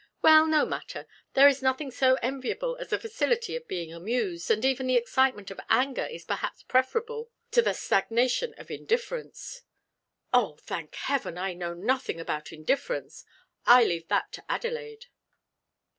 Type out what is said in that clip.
"Well, no matter there is nothing so enviable as a facility of being amused, and even the excitement of anger is perhaps preferable to the stagnation of indifference." "Oh, thank heaven! I know nothing about indifference; I leave that to Adelaide."